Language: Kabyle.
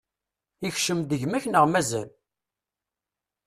Ikcem-d gma-k neɣ mazal?